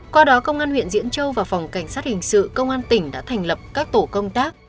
qua đó công an huyện diễn châu và phòng cảnh sát hình sự công an tỉnh đã thành lập các tổ công tác